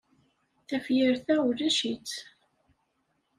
Tafyirt-a ulac-itt.